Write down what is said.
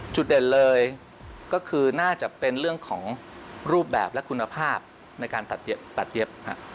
จุดเด่นเลยก็คือน่าจะเป็นเรื่องของรูปแบบและคุณภาพในการตัดเย็บ